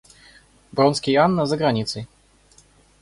Вронский и Анна за границей.